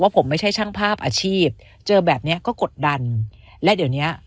ผมไม่ใช่ช่างภาพอาชีพเจอแบบเนี้ยก็กดดันและเดี๋ยวเนี้ย